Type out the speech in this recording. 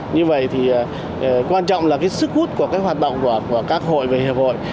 như vậy thì quan trọng là cái sức hút của cái hoạt động của các hội và hiệp hội